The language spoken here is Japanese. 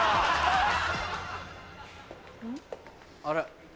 あれ？